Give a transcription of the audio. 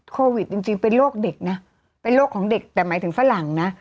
โควิดจริงเป็นโรคเด็กนะเป็นโรคของเด็กแต่หมายถึงฝรั่งนะ